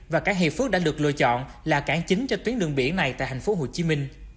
và cảng hiệp phước đã được lựa chọn là cảng chính cho tuyến đường biển này tại tp hcm